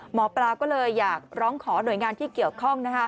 หมอปลาก็เลยอยากร้องขอหน่วยงานที่เกี่ยวข้อง